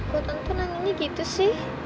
buat tante nangisnya gitu sih